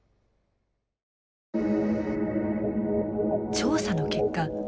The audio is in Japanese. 調査の結果